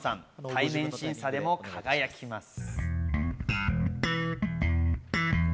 対面審査でも輝きます。